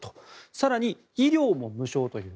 更に、医療も無償という。